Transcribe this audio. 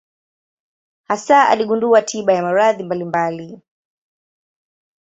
Hasa aligundua tiba ya maradhi mbalimbali.